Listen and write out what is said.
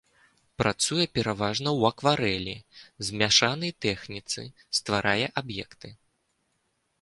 Працуе пераважна ў акварэлі, змяшанай тэхніцы, стварае аб'екты.